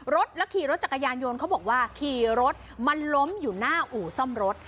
รถแล้วขี่รถจักรยานยนต์เขาบอกว่าขี่รถมันล้มอยู่หน้าอู่ซ่อมรถ